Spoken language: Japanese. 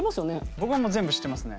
僕はもう全部知ってますね。